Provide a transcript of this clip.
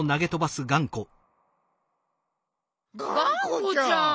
がんこちゃん！